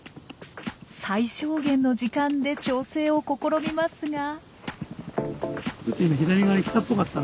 最小限の時間で調整を試みますが。